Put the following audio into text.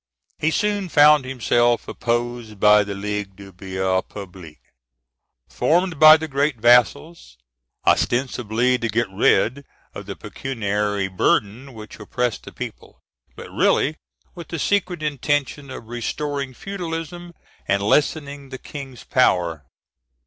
He soon found himself opposed by the Ligue du Bien Public, formed by the great vassals ostensibly to get rid of the pecuniary burden which oppressed the people, but really with the secret intention of restoring feudalism and lessening the King's power.